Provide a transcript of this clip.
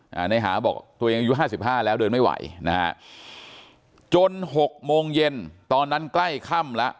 นายหาบอกตัวเองอยู่๕๕แล้วเดินไม่ไหวนะฮะจน๖โมงเย็นตอนนั้นใกล้ค่ำละ